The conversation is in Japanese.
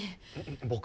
僕？